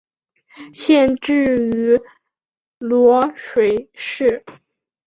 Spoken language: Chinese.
县治位于漯水市。